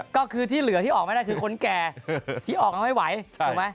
ก็คือที่เหลือที่ออกไม่ได้คือคนแก่ที่ออกมาไม่ไหวถูกไหม